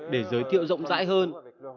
để giới thiệu rộng rãi hơn